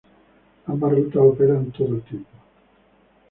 Ambas rutas operan todo el tiempo.